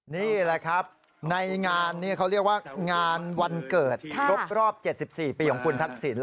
นี่แหละครับในงานวันเกิดรอบ๗๔ปีของคุณทักษิณ